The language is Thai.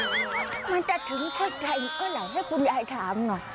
มันจะถึงใครก็ไหนให้คุณยายถามหน่อย